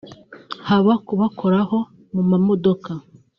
haba kubakoraho mu mamodoka